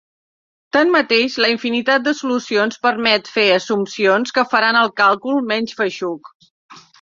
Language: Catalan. Tanmateix la infinitat de solucions permet fer assumpcions que faran el càlcul menys feixuc.